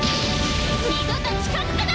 二度と近づくな！